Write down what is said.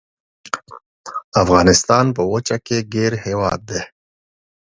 افغانستان په وچه کې ګیر هیواد دی.